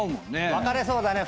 分かれそうだね